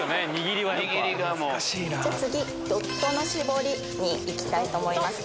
次ドットの絞りに行きたいと思います。